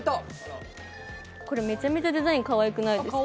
これめちゃめちゃデザインかわいくないですか？